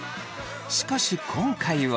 しかし今回は。